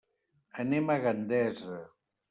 Anem a Gandesa.